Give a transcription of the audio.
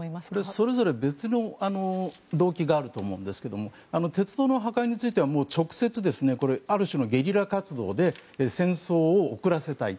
それぞれ別の動機があると思うんですけれど鉄道の破壊については直接、ある種のゲリラ活動で戦争を遅らせたい。